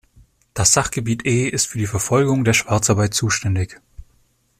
Das Sachgebiet E ist für die Verfolgung der Schwarzarbeit zuständig.